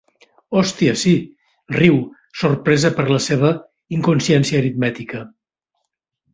Hòstia, sí! —riu, sorpresa per la seva inconsciència aritmètica.